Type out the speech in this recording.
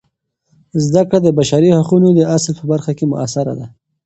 زده کړه د بشري حقونو د اصل په برخه کې مؤثره ده.